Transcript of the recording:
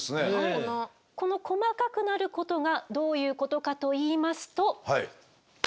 この細かくなることがどういうことかといいますと。